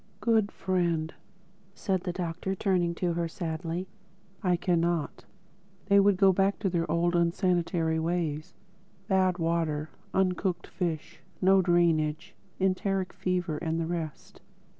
"Good friend," said the Doctor turning to her sadly, "I cannot. They would go back to their old unsanitary ways: bad water, uncooked fish, no drainage, enteric fever and the rest....